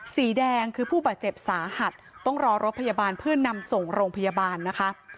สีแดงคือผู้บาดเจ็บสาหัสต้องรอรถพยาบาลเพื่อนำส่งโรงพยาบาลนะคะ